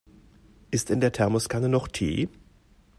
Ist in der Thermoskanne noch Tee?